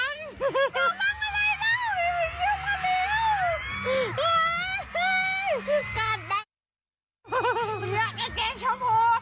อันเนี่ยเก๊ชโชโพ